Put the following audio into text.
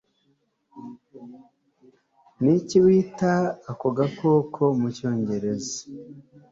niki wita ako gakoko mucyongereza